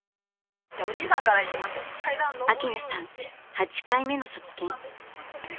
８回目の卒検］